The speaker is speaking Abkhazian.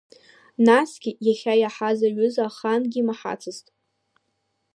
Насгьы, иахьа иаҳаз аҩыза ахаангьы имаҳацызт.